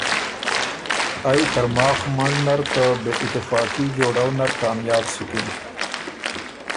ائ ترماخ منځ نر ته بې اتفاقي جوړؤ نر کامیاب سُکِن۔